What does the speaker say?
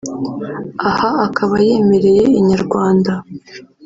aha akaba yemereye Inyarwanda